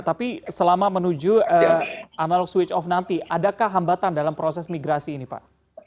tapi selama menuju analog switch off nanti adakah hambatan dalam proses migrasi ini pak